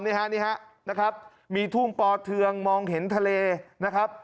นี่ฮะนี่ฮะนะครับมีทุ่งปอเทืองมองเห็นทะเลนะครับ